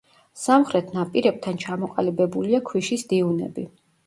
სამხრეთ ნაპირებთან ჩამოყალიბებულია ქვიშის დიუნები.